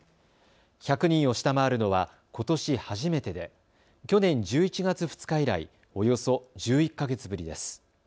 １００人を下回るのはことし初めてで去年１１月２日以来およそ１１か月ぶりです。